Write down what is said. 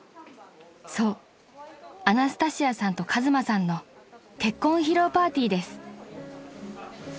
［そうアナスタシアさんと和真さんの結婚披露パーティーです］